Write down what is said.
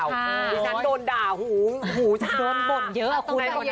ไม่งั้นโดนด่าหูหูจะโดนบ่มเยอะ